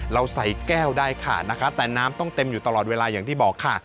เราใส่แก้วได้ค่ะนะคะแต่น้ำต้องเต็มอยู่ตลอดเวลาอย่างที่บอกค่ะ